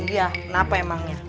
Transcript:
iya kenapa emangnya